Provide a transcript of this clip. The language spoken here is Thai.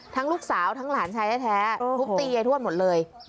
ลูกสาวทั้งหลานชายแท้ทุบตียายทวดหมดเลย